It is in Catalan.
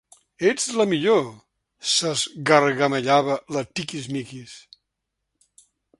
Ets la millor! —s'esgargamellava la Tiquismiquis.